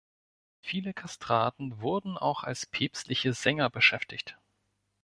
Viele Kastraten wurden auch als päpstliche Sänger beschäftigt.